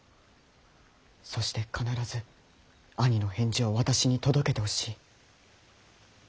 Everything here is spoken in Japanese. そして必ず兄の返事を私に届けてほしい。